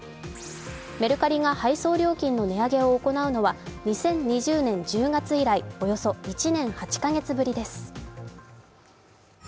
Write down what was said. メルカリが配送料金の値上げを行うのは２０２０年１０月以来、およそ１年８カ月ぶりです。